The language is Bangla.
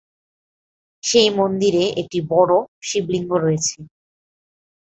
সেই মন্দিরে একটি বড়ো শিবলিঙ্গ রয়েছে।